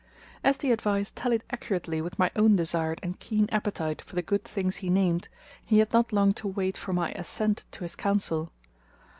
As the advice tallied accurately with my own desired and keen appetite for the good things he named, he had not long to wait for my assent to his counsel.